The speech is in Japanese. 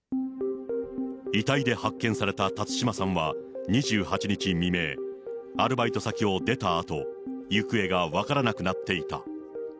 遺体で発見された辰島さんは、２８日未明、アルバイト先を出たあと、行方が分からなくなっていた。